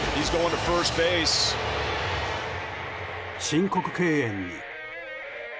申告敬遠に。